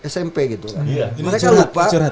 smp gitu kan mereka lupa